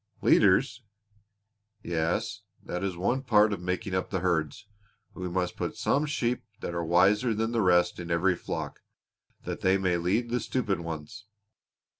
"Leaders?" "Yes. That is one part of making up the herds. We must put some sheep that are wiser than the rest in every flock that they may lead the stupid ones.